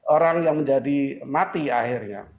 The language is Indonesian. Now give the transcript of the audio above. orang yang menjadi mati akhirnya